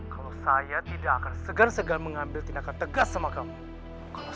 kalau saya tidak akan segar segan mengunoil tindakan tegas dengan kamu